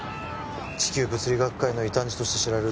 「地球物理学界の異端児として知られる」